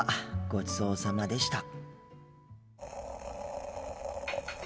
ごちそうさまでした。